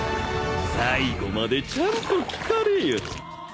最後までちゃんと聞かれよ。